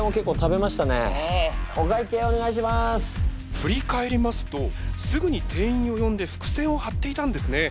振り返りますとすぐに店員を呼んで伏線を張っていたんですね。